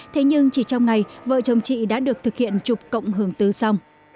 thế nhưng chỉ trong ngày vợ chồng chị đã được thực hiện chụp cộng hưởng tư xong